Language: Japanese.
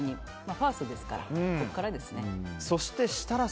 ファーストですからここからですね。